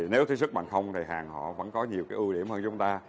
nếu sản xuất bằng không hàng họ vẫn có nhiều ưu điểm hơn chúng ta